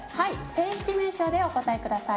正式名称でお答えください。